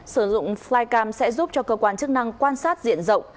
sử dụng flycam sẽ giúp cho cơ quan chức năng quan sát diện rộng